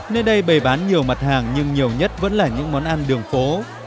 nơi đây bày bán nhiều mặt hàng nhưng nhiều nhất vẫn là những món ăn đường phố